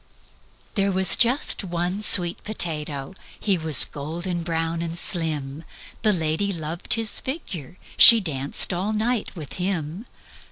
"There was just one sweet potato. He was golden brown and slim: The lady loved his figure. She danced all night with him.